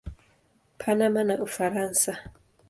Panama na Ufaransa.